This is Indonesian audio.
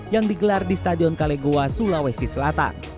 yang digelar di stadion kalegowa sulawesi selatan